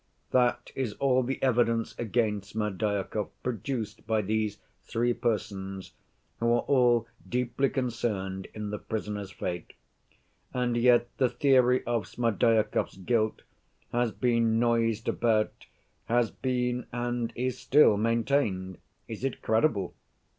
That is all the evidence against Smerdyakov produced by these three persons, who are all deeply concerned in the prisoner's fate. And yet the theory of Smerdyakov's guilt has been noised about, has been and is still maintained. Is it credible?